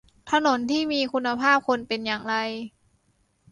ถนนที่มีคุณภาพควรเป็นอย่างไร